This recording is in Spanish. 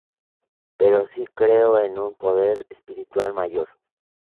Pero sí creo en un poder espiritual mayor.